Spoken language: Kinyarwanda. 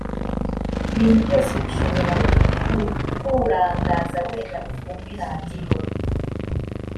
ibintu byose bishobora kukurangaza wenda ufunge radiyo